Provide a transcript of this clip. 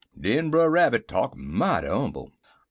"Den Brer Rabbit talk mighty 'umble.